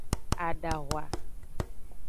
Adahwa.